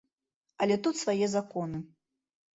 Але тут свае законы.